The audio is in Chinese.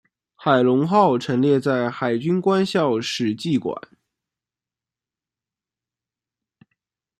海龙号陈列在海军官校史绩馆。